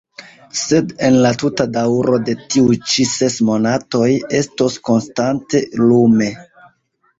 Sed en la tuta daŭro de tiuj ĉi ses monatoj estos konstante lume.